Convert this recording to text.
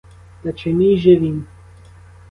Та чи мій же він?